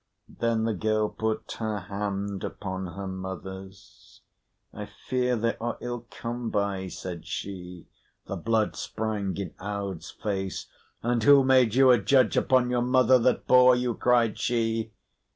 Then the girl put her hand upon her mother's. "I fear they are ill come by," said she. The blood sprang in Aud's face. "And who made you a judge upon your mother that bore you?" cried she.